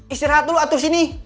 istirahat dulu atur sini